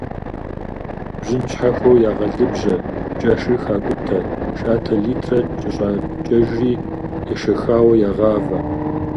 Бжьын щхьэхуэу ягъэлыбжьэ, джэшыр хакӏутэ, шатэ литрэ кӏэщӏакӏэжри ешэхауэ ягъавэ.